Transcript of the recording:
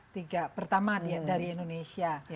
tiga pertama dari indonesia